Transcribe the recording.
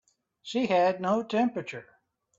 She had no temperature.